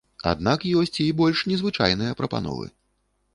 Аднак ёсць і больш незвычайныя прапановы.